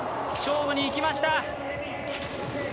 勝負にいきました。